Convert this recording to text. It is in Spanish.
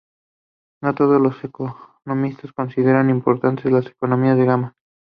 No todos los economistas consideran importantes las economías de gama.